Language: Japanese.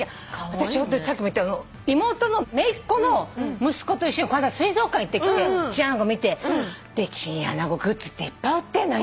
私ホントにさっきも言ったけど妹のめいっ子の息子と一緒にこの間水族館行ってきてチンアナゴ見て。でチンアナゴグッズっていっぱい売ってんの今。